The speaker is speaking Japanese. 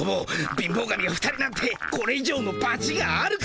貧乏神が２人なんてこれ以上のばちがあるか！